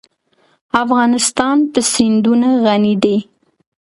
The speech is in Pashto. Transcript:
افغانستان په سیندونه غني دی.